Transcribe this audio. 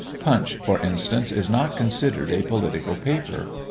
Punch, for instance, is not considered a political paper.